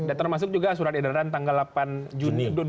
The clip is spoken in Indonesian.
dan termasuk juga surat edaran tanggal delapan juni